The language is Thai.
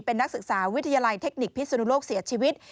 เป็นนักศึกษาวิทยาลัยเทคนิคพิศนุโลกเสียชีวิต